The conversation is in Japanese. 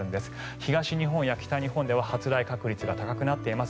東日本や北日本では発雷確率が高くなっています。